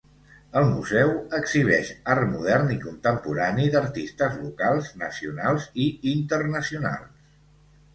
El museu exhibeix art modern i contemporani d'artistes locals, nacionals i internacionals.